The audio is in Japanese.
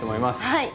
はい。